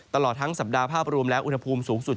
ตลอดทั้งสัปดาห์ภาพรวมแล้วอุณหภูมิสูงสุด